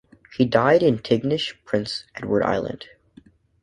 He died in Tignish, Prince Edward Island.